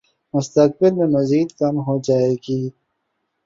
مستقبل میں مزید کم ہو جائے گی